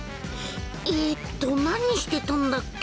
えっと何してたんだっけ？